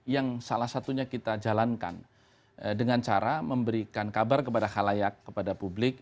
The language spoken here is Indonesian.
yang salah satunya kita jalankan dengan cara memberikan kabar kepada halayak kepada publik